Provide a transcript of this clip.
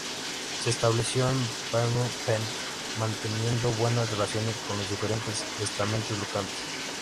Se estableció en Phnom Penh, manteniendo buenas relaciones con los diferentes estamentos locales.